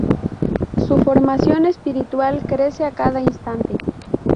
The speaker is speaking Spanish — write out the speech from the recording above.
Su formación espiritual crece a cada instante.